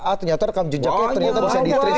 ah ternyata rekam jejaknya ternyata bisa di triss